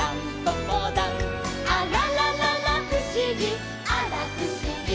「あららららふしぎあらふしぎ」